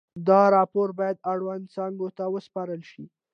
دا راپور باید اړونده څانګو ته وسپارل شي.